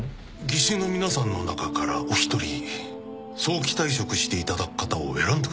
技師の皆さんの中からお一人早期退職していただく方を選んでください。